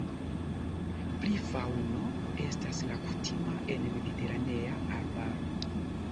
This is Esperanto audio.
Pri faŭno estas la kutima en mediteranea arbaro.